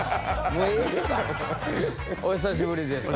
お久しぶりです。